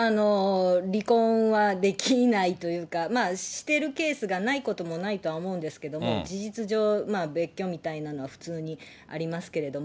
離婚はできないというか、してるケースがないこともないとは思うんですけれども、事実上、別居みたいなのは普通にありますけれども。